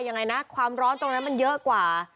ยังไงนะความร้อนตรงนั้นมันเยอะกว่า